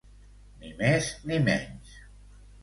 Ni més ni menys.